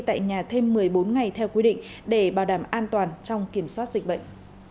tại nhà thêm một mươi bốn ngày theo quy định để bảo đảm an toàn trong kiểm soát dịch bệnh